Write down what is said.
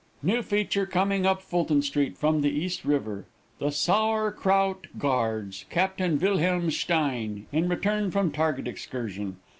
New feature coming up Fulton street from the East River 'The Sour Krout Guards, Captain Wilhelm Stein,' in return from target excursion.